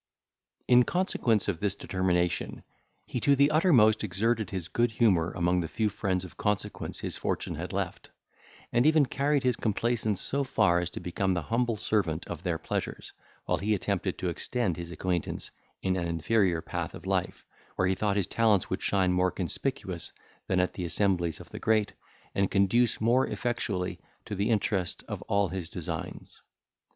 In consequence of this determination, he to the uttermost exerted his good humour among the few friends of consequence his fortune had left, and even carried his complaisance so far as to become the humble servant of their pleasures, while he attempted to extend his acquaintance in an inferior path of life, where he thought his talents would shine more conspicuous than at the assemblies of the great, and conduce more effectually to the interest of all his designs.